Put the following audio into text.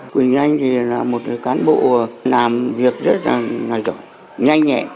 quỳnh anh là một cán bộ làm việc rất là nhanh nhẹ